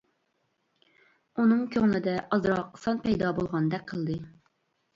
ئۇنىڭ كۆڭلىدە ئازراق سان پەيدا بولغاندەك قىلدى.